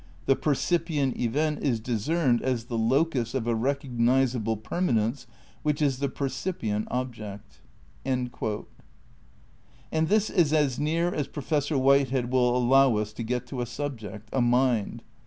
'" "The percipient event is discerned as the locus of a recognisable permanence which is the percipient object." ' And this is as near as Professor Whitehead will allow us to get to a subject, a mind.